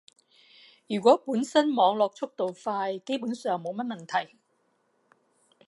如果本身網絡速度快，基本上冇乜問題